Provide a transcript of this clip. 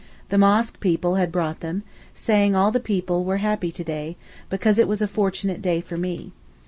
The mosque people had brought them, saying all the people were happy to day, because it was a fortunate day for me.